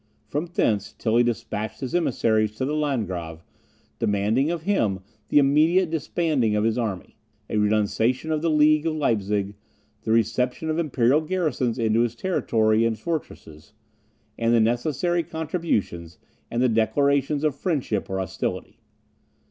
From thence, Tilly despatched his emissaries to the Landgrave, demanding of him the immediate disbanding of his army, a renunciation of the league of Leipzig, the reception of imperial garrisons into his territories and fortresses, with the necessary contributions, and the declaration of friendship or hostility.